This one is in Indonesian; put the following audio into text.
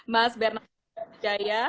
mas bernardo jaya